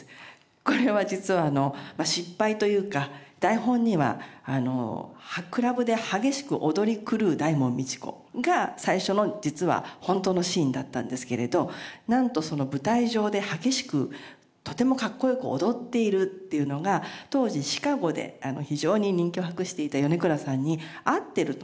これは実はあの失敗というか台本にはクラブで激しく踊り狂う大門未知子が最初の実は本当のシーンだったんですけれどなんとその舞台上で激しくとてもかっこよく踊っているっていうのが当時『ＣＨＩＣＡＧＯ』で非常に人気を博していた米倉さんに合ってると。